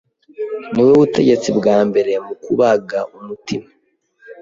Niwe butegetsi bwa mbere mu kubaga umutima.